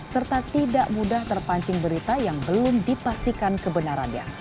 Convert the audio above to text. serta tidak mudah terpancing berita yang belum dipastikan kebenarannya